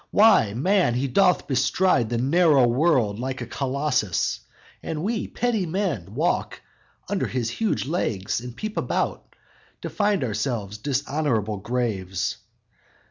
Why, man, he doth bestride the narrow world Like a Colossus; and we petty men Walk under his huge legs, and peep about To find ourselves dishonorable graves.